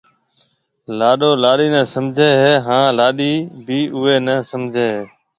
لاڏو لاڏيِ نَي سمجهيََ هيَ هانَ لاڏيِ بي اوئي نَي سمجهيََ هيَ۔